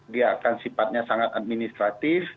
dia akan sifatnya sangat administratif